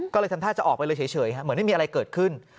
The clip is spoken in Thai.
ก็เลยทำท่าจะออกไปเลยเฉยเหมือนไม่มีอะไรเกิดขึ้น